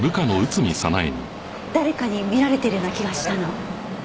誰かに見られているような気がしたの。